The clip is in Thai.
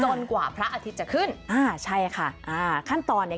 กว่าพระอาทิตย์จะขึ้นอ่าใช่ค่ะอ่าขั้นตอนเนี้ย